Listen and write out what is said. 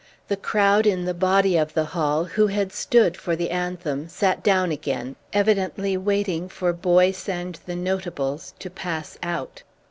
The crowd in the body of the hall, who had stood for the anthem, sat down again, evidently waiting for Boyce and the notables to pass out.